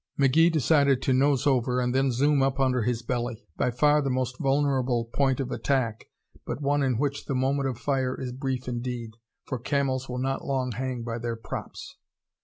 McGee decided to nose over and then zoom up under his belly by far the most vulnerable point of attack but one in which the moment of fire is brief indeed, for Camels will not long hang by their "props."